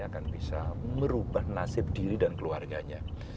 akan bisa merubah nasib diri dan keluarganya